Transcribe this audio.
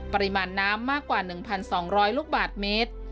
ปริมาณน้ำมากกว่า๑๒๐๐ลูกบาทเมตร